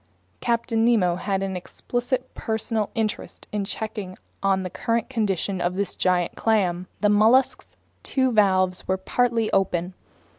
Captain Nemo had an explicit personal interest in checking on the current condition of this giant clam. The mollusk's two valves were partly open.